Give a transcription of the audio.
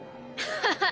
ハハハッ！